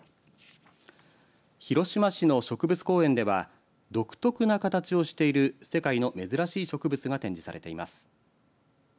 広島市の植物公園では独特な形をしている世界の珍しい植物が展示されています。